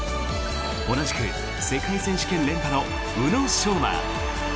同じく世界選手権連覇の宇野昌磨。